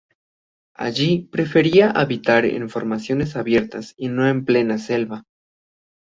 Allí preferiría habitar en formaciones abiertas y no en plena selva.